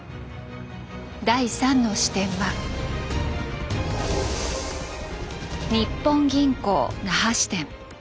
第３の視点は日本銀行那覇支店。